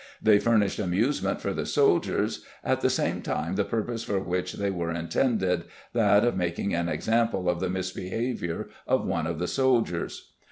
They furnished amusement for the soldiers at the same time the purpose for which they were intended, that of making an example of the misbehavior of one of the soldiers.